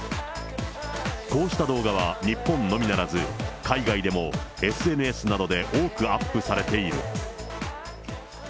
こうした動画は、日本のみならず、海外でもＳＮＳなどで多くアップされている。